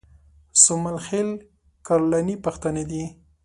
سومل خېل کرلاني پښتانه دي